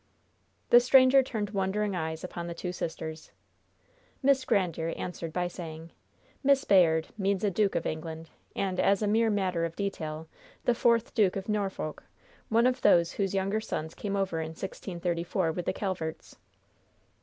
The stranger turned wondering eyes upon the two sisters. Miss Grandiere answered by saying: "Miss Bayard means a duke of England, and, as a mere matter of detail, the fourth Duke of Norfolk, one of whose younger sons came over in 1634 with the Calverts."